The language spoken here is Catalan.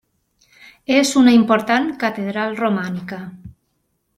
És una important catedral romànica.